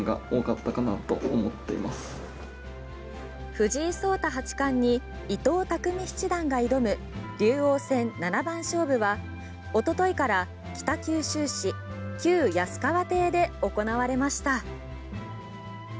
藤井聡太八冠に伊藤匠七段が挑む竜王戦七番勝負はおとといから北九州市旧安川邸で行われました。